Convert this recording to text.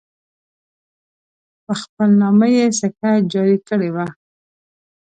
په خپل نامه یې سکه جاري کړې وه.